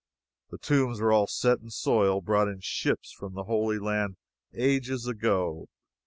The tombs are set in soil brought in ships from the Holy Land ages ago.